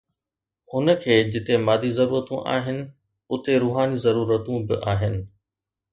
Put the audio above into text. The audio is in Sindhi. هن کي جتي مادي ضرورتون آهن، اتي روحاني ضرورتون به آهن.